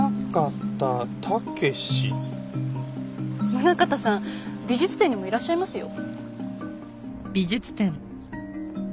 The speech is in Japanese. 宗像さん美術展にもいらっしゃいますよ。